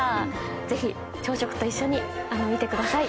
ぜひ朝食と一緒に見てください。